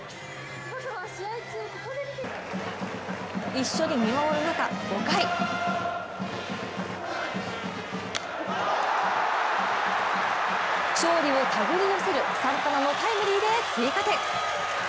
一緒に見守る中、５回勝利を手繰り寄せるサンタナのタイムリーで追加点。